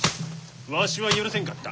わしは許せんかった。